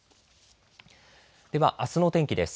では、あすの天気です。